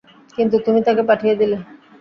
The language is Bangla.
কিন্তু তুমি তাকে পাঠিয়ে দিলে।